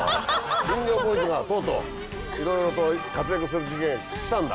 林業ボーイズがとうとういろいろ活躍する時期が来たんだ。